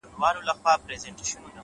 هره ورځ د نوې موخې چانس لري!